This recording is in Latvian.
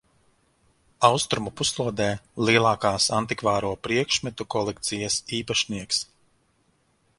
Austrumu puslodē lielākās antikvāro priekšmetu kolekcijas īpašnieks.